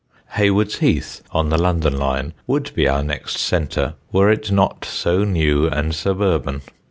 Hayward's Heath, on the London line, would be our next centre were it not so new and suburban.